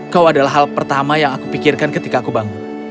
kau adalah hal pertama yang aku pikirkan ketika aku bangun